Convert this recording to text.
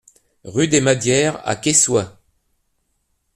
Rue des Madières à Quessoy